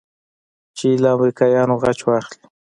چې له امريکايانو غچ واخلې.